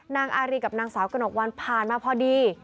นางอารีกับนางสาวกระหนกวันผ่านมาพอดี